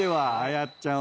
やっちゃん